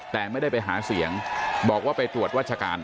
แต่ไม่ได้ไปหาเสียงบอกว่าไปตรวจวัชการ